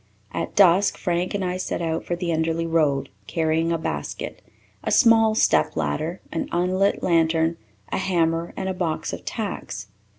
At dusk Frank and I set out for the Enderly Road, carrying a basket, a small step ladder, an unlit lantern, a hammer, and a box of tacks.